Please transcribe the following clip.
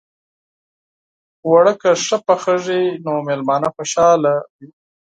اوړه که ښه پخېږي، نو میلمانه خوشحاله وي